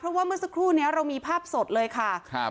เพราะว่าเมื่อสักครู่นี้เรามีภาพสดเลยค่ะครับ